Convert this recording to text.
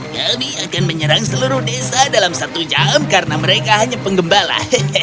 kami akan menyerang seluruh desa dalam satu jam karena mereka hanya penggembala